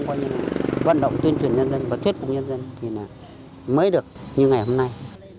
coi như là vận động tuyên truyền nhân dân và thuyết phục nhân dân thì là mới được như ngày hôm nay